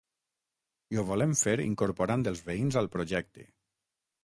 I ho volem fer incorporant els veïns al projecte!